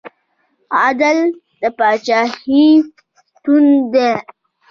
عدل د پاچاهۍ ستون دی